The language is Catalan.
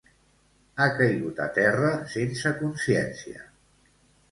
Ha caigut a terra sense consciència.